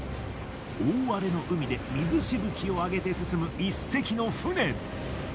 大荒れの海で水しぶきをあげて進む一隻の船。